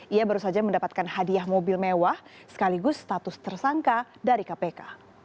ia baru saja mendapatkan hadiah mobil mewah sekaligus status tersangka dari kpk